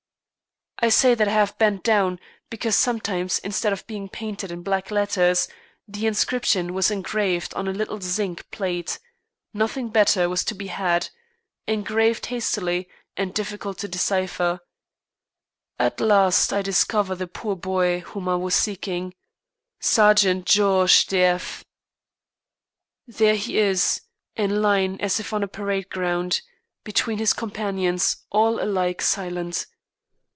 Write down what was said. I say that I have bent down, because sometimes, instead of being painted in black letters, the inscription was engraved on a little zinc plate nothing better was to be had engraved hastily and difficult to decipher. At last I discover the poor boy whom I was seeking, "Sergent Georges de F." There he is, in line as if on a parade ground, between his companions, all alike silent.